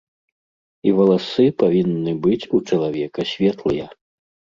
І валасы павінны быць у чалавека светлыя.